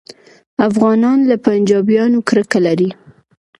افغانان له پنجابیانو کرکه لري